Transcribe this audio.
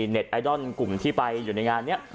เต็ดไอดอลกลุ่มที่ไปอยู่ในงานนี้